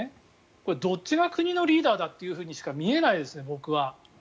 これ、どっちが国のリーダーだというふうにしか見えないですね